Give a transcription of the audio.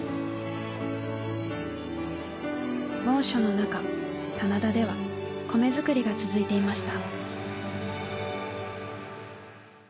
猛暑の中棚田では米作りが続いていました。